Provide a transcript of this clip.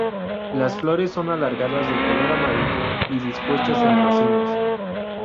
Las flores son alargadas de color amarillo y dispuestas en racimos.